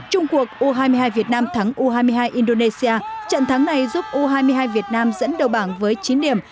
trung cuộc u hai mươi hai việt nam thắng u hai mươi hai indonesia trận thắng này giúp u hai mươi hai việt nam dẫn đầu bảng với chín điểm